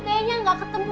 kayaknya gak ketemu